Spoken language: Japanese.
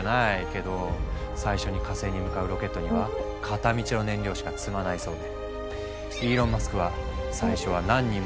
けど最初に火星に向かうロケットには片道の燃料しか積まないそうでイーロン・マスクはと言ってて。